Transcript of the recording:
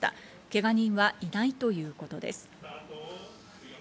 けが人はいないということです。